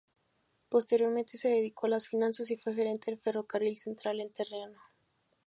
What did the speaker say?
Posteriormente se dedicó a las finanzas y fue gerente del Ferrocarril Central Entrerriano.